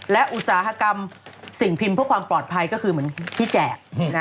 และอุตสาหกรรมสิ่งพิมพ์เพื่อความปลอดภัยก็คือเหมือนที่แจก